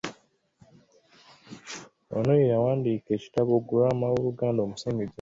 Ono ye yawandiika ekitabo Ggulama w'Oluganda omusengejje